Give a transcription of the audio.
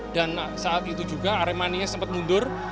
dan saat itu juga aremania sempat mundur